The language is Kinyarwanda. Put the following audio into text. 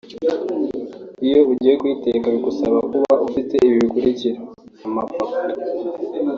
Iyo ugiye kuyiteka bigusaba kuba ufite ibi bikurikira (amafoto)